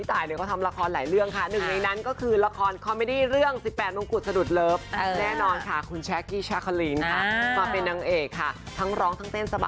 แต่ว่าเราก็ด้วยความขอบคลมนะครับ